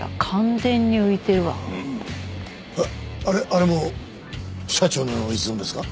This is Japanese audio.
あれも社長の一存ですか？